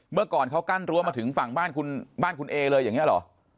เมื่อก่อนเขากั้นรั้วมาถึงฝั่งบ้านคุณเอเลยอย่างนี้เหรอ